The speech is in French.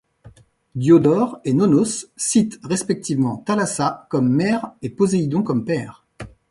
Diodore et Nonnos citent respectivement Thalassa comme mère et Poséidon comme père.